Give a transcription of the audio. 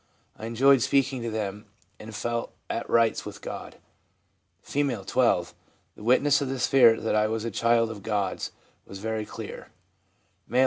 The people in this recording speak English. I enjoyed speaking to them and felt at rights with God.' F., 12. 'The witness of the Spirit that I was a child of God's was very clear/ M., 17.